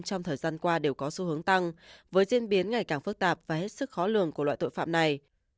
trong thời gian qua đều có xu hướng tăng với diễn biến ngày càng phức tạp và hết sức khó lường của loại tội phạm này